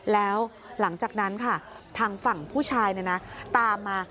แล้วหลังจากนั้นค่ะทางฝั่งผู้ชายตามมา